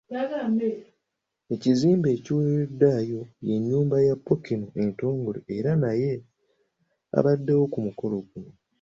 Ekizimbe ekiweereddwayo ye nnyumba ya Pookino entongole era naye abaddewo ku mukolo guno.